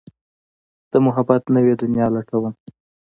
د محبت نوې دنيا لټوم